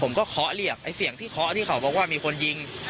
เคาะเรียกไอ้เสียงที่เคาะที่เขาบอกว่ามีคนยิง